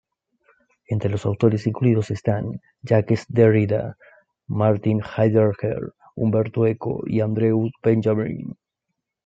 Entre los autores incluidos están: Jacques Derrida, Martin Heidegger, Umberto Eco y Andrew Benjamín.